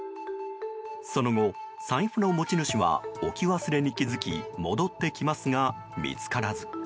その後、財布の持ち主は置き忘れに気づき戻ってきますが、見つからず。